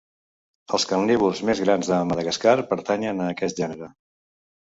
Els carnívors més grans de Madagascar pertanyen a aquest gènere.